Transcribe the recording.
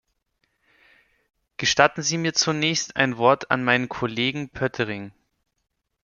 Gestatten Sie mir zunächst ein Wort an meinen Kollegen Poettering.